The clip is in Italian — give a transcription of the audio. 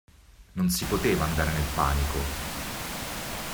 Non si poteva andare nel panico.